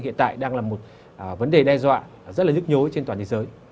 hiện tại đang là một vấn đề đe dọa rất là nhức nhối trên toàn thế giới